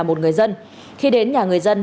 một người dân khi đến nhà người dân